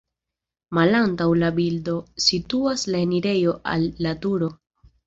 Malantaŭ la bildo situas la enirejo al la turo.